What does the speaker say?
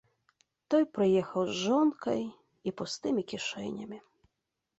Той прыехаў з жонкай і пустымі кішэнямі.